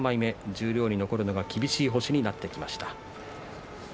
十両に残るのが厳しい星になってきました。